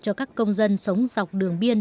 cho các công dân sống dọc đường biên